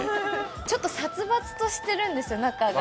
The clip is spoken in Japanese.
ちょっと殺伐としてるんですよ中が。